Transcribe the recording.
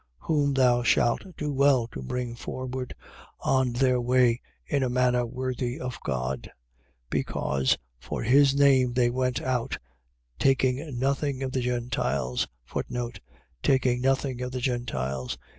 Whom thou shalt do well to bring forward on their way in a manner worthy of God: 1:7. Because, for his name they went out, taking nothing of the Gentiles. Taking nothing of the Gentiles.